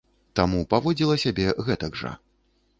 Таму паводзіла сябе гэтак жа.